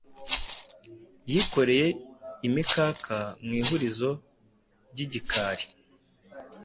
yikoreye imikaka mu ihurizo ry’igikari,